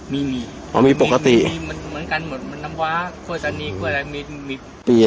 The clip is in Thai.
มีมีอ๋อมีปกติมีมีมีมันเหมือนกันเหมือนมันน้ำวะกล้วยตอนนี้ก็อะไรมีมีปีเลย